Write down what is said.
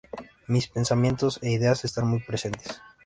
Mis pensamientos e ideas están muy presentes.